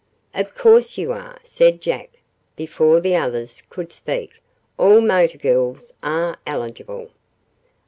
"Of course you are," said Jack, before the others could speak. "All motor girls are eligible."